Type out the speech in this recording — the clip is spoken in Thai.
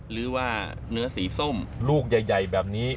หรือว่าเนื้อสีส้มลูกใหญ่แบบนี้